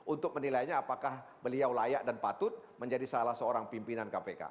untuk menilainya apakah beliau layak dan patut menjadi salah seorang pimpinan kpk